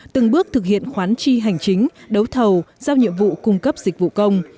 từng bước thực hiện khoán chi hành chính đấu thầu giao nhiệm vụ cung cấp dịch vụ công